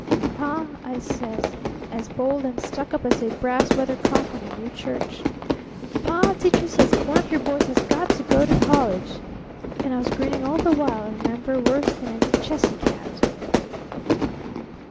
And Pa,' I says, as bold and stuck up as a brass weathercock on a new church, 'Pa! Teacher says that one of your boys has got to go to college!' And I was grinning all the while, I remember, worse than any Chessy cat.